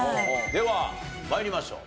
では参りましょう。